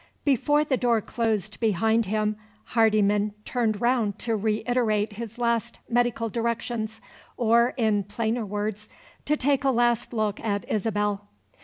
Before the door closed behind him, Hardyman turned round to reiterate his last medical directions or, in plainer words, to take a last look at Isabel.